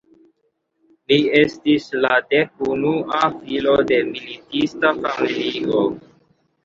Li estis la dekunua filo de militista familio.